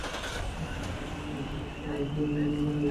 মনে হবে, বড় কোনো চেকিং চলছে।